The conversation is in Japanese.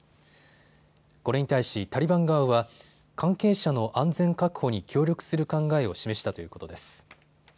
これに対しタリバン側は関係者の安全確保に協力する考えを示したということです。